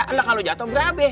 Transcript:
nggak kalau jatuh berabe